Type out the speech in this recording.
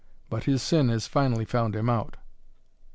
But his sin has finally found him out."